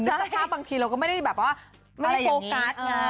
สภาพบางทีเราก็ไม่ได้แบบว่าไม่ได้โฟกัสไง